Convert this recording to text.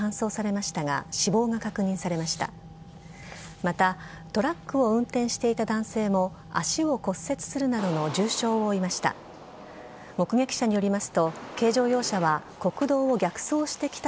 またトラックを運転していた男性も足を骨折するなどの重傷を負いました。